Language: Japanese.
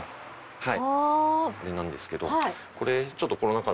はい。